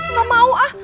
gak mau ah